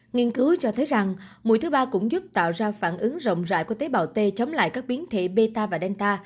nghiên cứu cho thấy rằng mũi thứ ba cũng giúp tạo ra phản ứng rộng rãi của tế bào t chống lại các biến thể meta và delta